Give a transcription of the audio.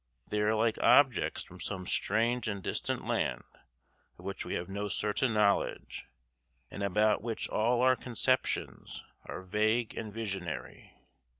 They are like objects from some strange and distant land of which we have no certain knowledge, and about which all our conceptions are vague and visionary.